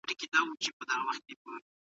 سړی باید د خپلو ښځو ترمنځ عدالت وکړي.